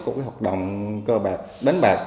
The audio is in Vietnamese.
của cái hoạt động cơ bạc đánh bạc